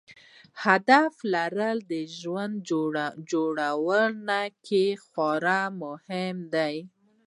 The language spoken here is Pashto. هدف لرل د ژوند جوړونې کې خورا مهم دی.